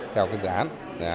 theo cái dự án